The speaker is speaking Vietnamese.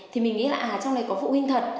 thì mình nghĩ là trong này có phụ huynh thật